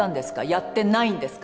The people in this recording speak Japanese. やってないんですか？